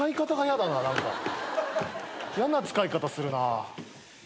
やな使い方するな。